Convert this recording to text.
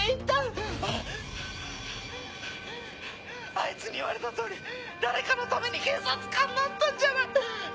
あいつに言われた通り誰かのために警察官になったんじゃない。